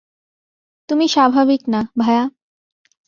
তুমি স্বাভাবিক না, ভায়া।